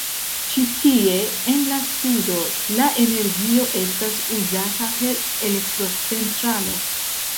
Ĉi tie en la sudo, la energio estas uzata per elektrocentralo.